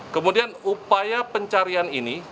kemudian upaya pencarian ini